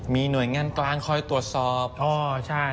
มีหน่วยงานกลางคอยตรวจสอบพ่อใช่